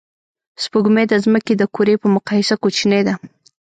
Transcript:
سپوږمۍ د ځمکې د کُرې په مقایسه کوچنۍ ده